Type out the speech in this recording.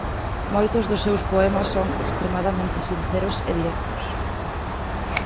Moitos dos seus poemas son extremadamente sinceros e directos.